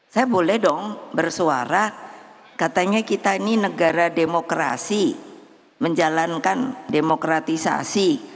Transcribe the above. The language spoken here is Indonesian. saya boleh dong bersuara katanya kita ini negara demokrasi menjalankan demokratisasi